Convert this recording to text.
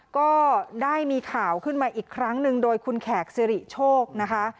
ก็ได้มีข่าวขึ้นมาอีกครั้งหนึ่งโดยคุณแขกสิริโชคนะคะ